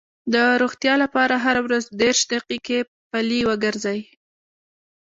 د روغتیا لپاره هره ورځ دېرش دقیقې پلي وګرځئ.